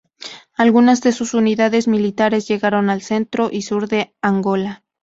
Algunas de sus unidades militares llegaron al centro y sur de Angola.